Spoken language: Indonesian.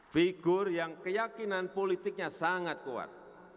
figur yang keyakinan politiknya sangat kuat